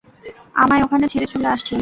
আমায় ওখানে ছেড়ে চলে আসছিলে।